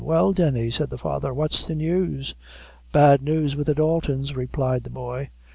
"Well, Denny," said the father, "what's the news?" "Bad news with the Daltons," replied the boy.